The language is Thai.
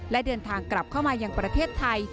และเดินทางกลับเข้ามายังประเทศไทย